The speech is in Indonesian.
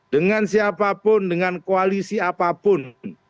dengan siapapun dengan koalisi apapun